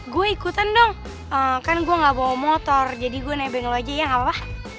gue ikutan dong kan gue gak bawa motor jadi gue nebeng lo aja ya apa